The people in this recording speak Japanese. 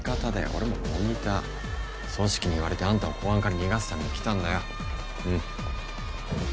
俺もモニター組織に言われてあんたを公安から逃がすために来たんだようんうん？